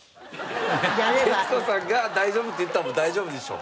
徹子さんが「大丈夫」って言ったらもう大丈夫でしょう。